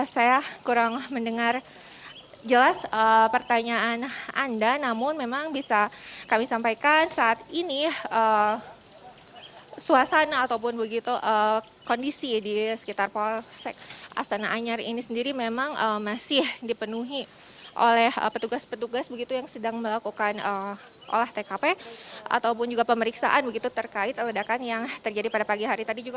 saya kurang mendengar jelas pertanyaan anda namun memang bisa kami sampaikan saat ini suasana ataupun begitu kondisi di sekitar polsek astana anyar ini sendiri memang masih dipenuhi oleh petugas petugas begitu yang sedang melakukan olah tkp ataupun juga pemeriksaan begitu terkait ledakan yang terjadi pada pagi hari tadi juga